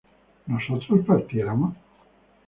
¿nosotros partiéramos?